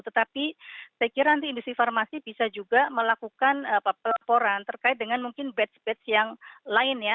tetapi saya kira nanti industri farmasi bisa juga melakukan pelaporan terkait dengan mungkin batch batch yang lain ya